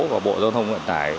và bộ giao thông vận tải